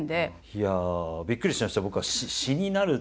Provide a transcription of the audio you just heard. いやあびっくりしました。